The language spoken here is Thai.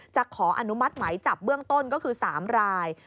ขออนุมัติไหมจับเบื้องต้นก็คือ๓ราย